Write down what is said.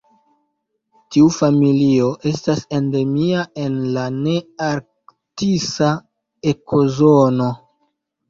Tiu familio estas endemia en la nearktisa ekozono.